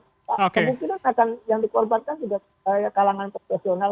kemungkinan akan yang dikorbankan juga kalangan profesional